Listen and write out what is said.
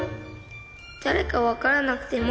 誰か分からなくても。